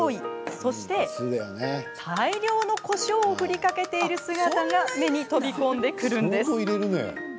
そして、大量のこしょうを振りかけている姿が目に飛び込んでくるんです。